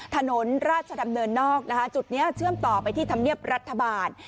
ถนนราชดำเนินนอกนะคะจุดนี้เชื่อมต่อไปที่ธรรมเนียบรัฐบาล